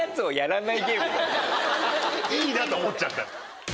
いいな！と思っちゃった。